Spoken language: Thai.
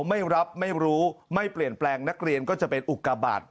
ไม่รับไม่รู้ไม่เปลี่ยนแปลงนักเรียนก็จะเป็นอุกาบาท